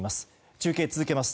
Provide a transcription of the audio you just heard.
中継を続けます。